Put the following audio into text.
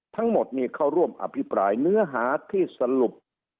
ทั้งหมดนี่เข้าร่วมอภิปรายเนื้อหาที่สรุป